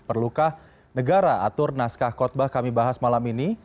perlukah negara atur naskah kotbah kami bahas malam ini